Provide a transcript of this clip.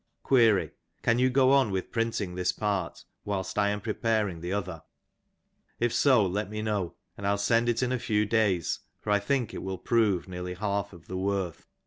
^^ Query : Can you go on with printing this part whilst I am pre '^ paring the other ! If so let me know, and FU send it in a few " days, for I think it will prove nearly half of the worth."